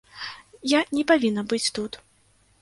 Я не павінна быць тут.